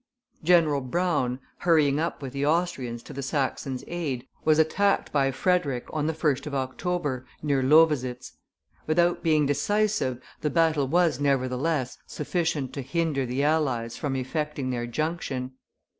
General Braun, hurrying up with the Austrians to the Saxons' aid, was attacked by Frederick on the 1st of October, near Lowositz; without being decisive, the battle was, nevertheless, sufficient to hinder the allies from effecting their junction.